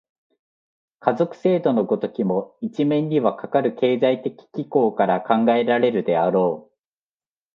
家族制度の如きも、一面にはかかる経済的機構から考えられるであろう。